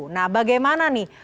nah bagaimana nih